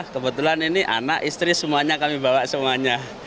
kebetulan ini anak istri semuanya kami bawa semuanya